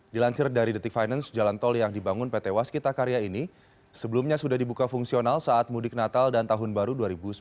dilansir dari detik finance jalan tol yang dibangun pt waskita karya ini sebelumnya sudah dibuka fungsional saat mudik natal dan tahun baru dua ribu sembilan belas